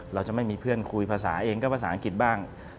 เราจะไม่มีเพื่อนคุยภาษาเองก็ภาษาอังกฤษบ้าง